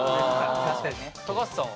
高橋さんは？